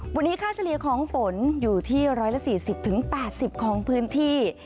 วันนี้ค่าเฉลี่ยของฝนอยู่ที่๑๔๐๘๐ของพื้นที่